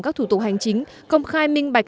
các thủ tục hành chính công khai minh bạch